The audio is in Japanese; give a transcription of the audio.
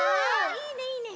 いいねいいね！